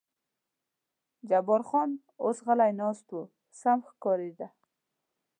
جبار خان اوس غلی ناست و، سم ښکارېده.